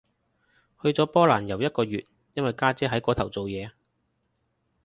去咗波蘭遊一個月，因為家姐喺嗰頭做嘢